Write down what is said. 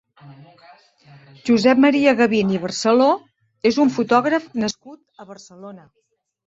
Josep Maria Gavín i Barceló és un fotògraf nascut a Barcelona.